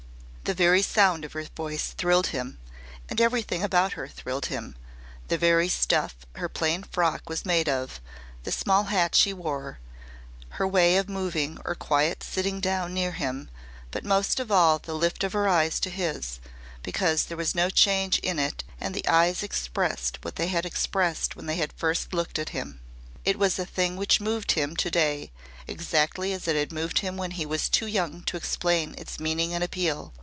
The very sound of her voice thrilled him everything about her thrilled him the very stuff her plain frock was made of, the small hat she wore, her way of moving or quiet sitting down near him, but most of all the lift of her eyes to his because there was no change in it and the eyes expressed what they had expressed when they had first looked at him. It was a thing which moved him to day exactly as it had moved him when he was too young to explain its meaning and appeal.